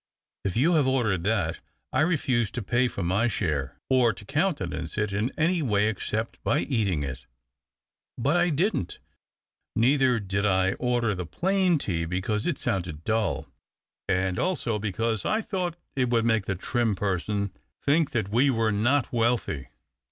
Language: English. If you have ordered that, I refuse to pay for my share, or to countenance it in any way except by eating it." " But I didn't, neither did I order the plain tea, because it sounded dull, and also because I thought it would make the trim person think that we were not wealthy.